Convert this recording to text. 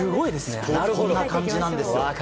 スポーツこんな感じなんです。